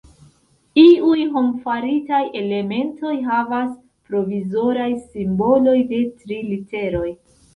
Iuj hom-faritaj elementoj havas provizoraj simboloj de tri literoj.